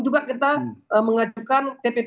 juga kita mengajukan tpp